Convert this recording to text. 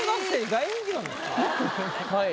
はい。